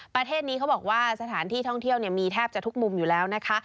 ประเทศนี้เขาบอกว่าสถานที่ท่องเที่ยวมีแทบจะทุกมุมอยู่แล้วนะคะ